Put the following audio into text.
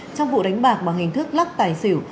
trong vụ đánh bạc bằng hình thức lắc tài xỉu